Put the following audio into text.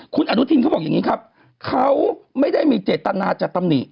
คุณอนุทินเขาบอกอย่างนี้ครับเขาไม่ได้มีเจตนาจะตำหนิ